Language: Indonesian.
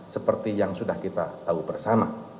seperti yang sudah kita tahu bersama